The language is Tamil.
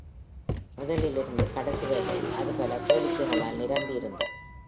முதலில் இருந்து கடைசி வரையில் அது பல கேளிக்கைளால் நிரம்பியிருந்தது.